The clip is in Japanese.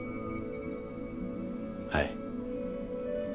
はい。